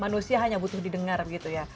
manusia hanya butuh didengar gitu ya